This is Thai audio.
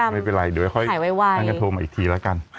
ไม่รับหรอ